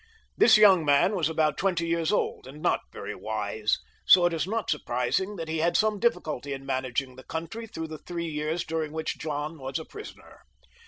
This young man was about Lnty years old. and not very wis^ Zli is not surprising that he had some difGlculty in managing the country through the three years during which John was a prisoner.